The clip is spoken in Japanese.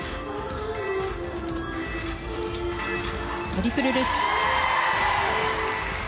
トリプルルッツ。